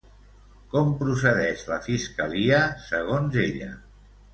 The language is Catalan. Com procedeix la Fiscalia, segons ella?